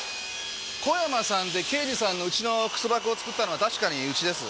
小山さんて刑事さんの家の靴箱作ったのは確かにうちです。